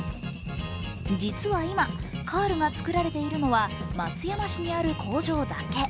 実は今、カールが作られているのは松山市にある工場だけ。